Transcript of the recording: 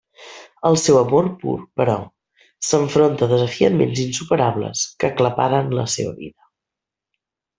El seu amor pur, però, s'enfronta a desafiaments insuperables que aclaparen la seva vida.